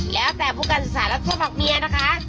แล้วแต่พวกการศึกษาและทั่วปากเมียนะคะ